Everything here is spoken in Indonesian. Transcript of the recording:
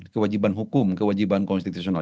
kewajiban hukum kewajiban konstitusional